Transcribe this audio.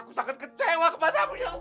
aku sangat kecewa kepada mu ya allah